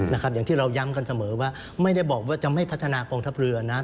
อย่างที่เราย้ำกันเสมอว่าไม่ได้บอกว่าจะไม่พัฒนากองทัพเรือนะครับ